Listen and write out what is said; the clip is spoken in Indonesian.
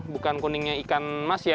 bukan kuningnya ikan mas ya